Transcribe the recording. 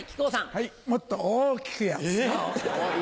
はいもっと大きいやつ。